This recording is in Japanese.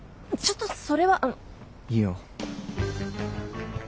ちょっとそれは。いいよ。